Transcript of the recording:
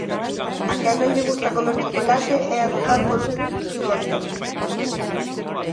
A quen non lle gusta comer chocolate e adozar por uns minutos o día.